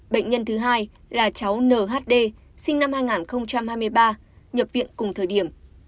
bệnh nhân thứ hai là cháu nhd sinh năm hai nghìn hai mươi ba nhập viện cùng thời điểm